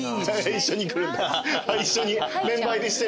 一緒に。